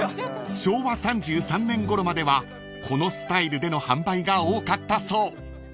［昭和３３年ごろまではこのスタイルでの販売が多かったそう］